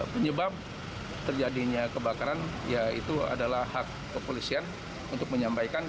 penyebab terjadinya kebakaran ya itu adalah hak kepolisian untuk menyampaikan